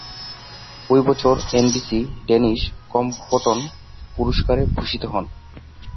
ঐ বছর NBC Dennis Compton পুরস্কারে ভূষিত হন।